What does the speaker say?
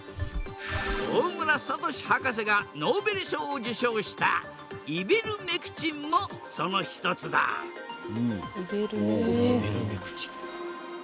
大村智博士がノーベル賞を受賞したイベルメクチンもその一つだへえ。